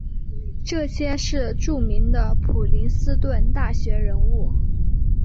这些是著名的普林斯顿大学人物。